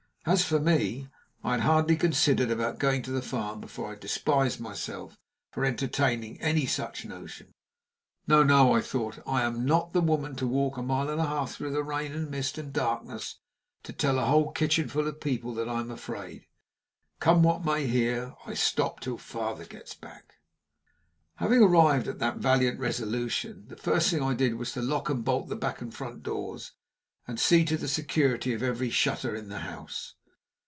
As for me, I had hardly considered about going to the farm before I despised myself for entertaining any such notion. "No, no," thought I, "I am not the woman to walk a mile and a half through rain, and mist, and darkness to tell a whole kitchenful of people that I am afraid. Come what may, here I stop till father gets back." Having arrived at that valiant resolution, the first thing I did was to lock and bolt the back and front doors, and see to the security of every shutter in the house.